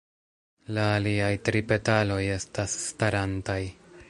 La aliaj tri petaloj estas starantaj.